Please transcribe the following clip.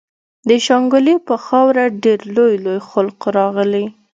د شانګلې پۀ خاوره ډېر لوئ لوئ خلق راغلي